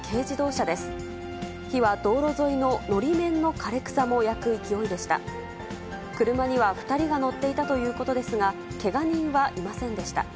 車には２人が乗っていたということですが、けが人はいませんでした。